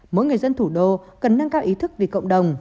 mỗi người dân thủ đô cần nâng cao ý thức vì cộng đồng